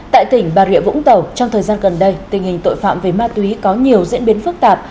tại tỉnh bà rịa vũng tàu trong thời gian gần đây tình hình tội phạm về ma túy có nhiều diễn biến phức tạp